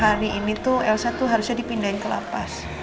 jadi hari ini tuh elsa tuh harusnya dipindahin ke lampas